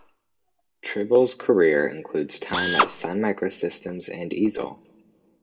Tribble's career includes time at Sun Microsystems and Eazel.